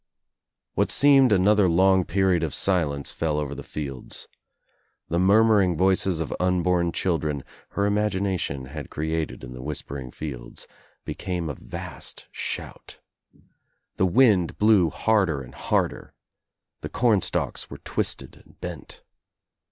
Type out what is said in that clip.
What seemed another long period of silence fell over the fields. The murmuring voices of unborn children, her Imagination had created In the whisper ing fields, became a vast shout. The wind blew harder and harder. The corn stalks were twisted and bent.